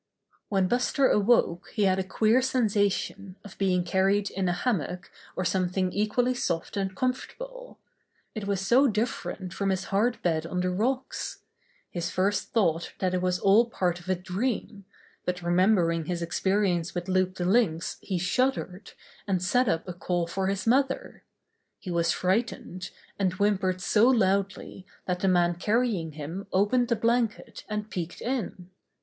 When Buster awoke he had a queer sensa tion of being carried in a hammock or some thing equally soft and comfortable. It was so different from his hard bed on the rocks! His Hr stood o'J tits htnd i.kos and cried for it Buster is Carried Awaj?^ by the Men 35 first thought was that it was all part of a dream, but remembering his experience with Loup the Lynx he shuddered, and set up a call for his mother. He was frightened, and whimpered so loudly that the man carrying him opened the blanket and peeked in.